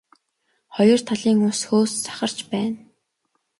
Хоёр талын ус хөөс сахарч байна.